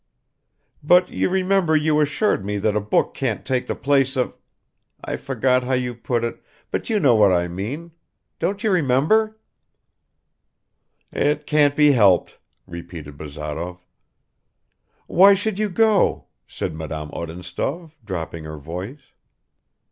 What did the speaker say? "But you remember you assured me that a book can't take the place of ... I forget how you put it, but you know what I mean ... don't you remember?" "It can't be helped," repeated Bazarov. "Why should you go?" said Madame Odintsov, dropping her voice.